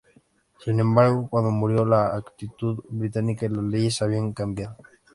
Sin embargo, cuando murió, la actitud británica y las leyes habían cambiado.